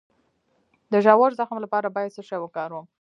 د ژور زخم لپاره باید څه شی وکاروم؟